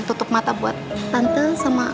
tutup mata buat tante sama